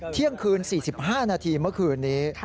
เที่ยงคืน๔๕นาทีเมื่อคืนนี้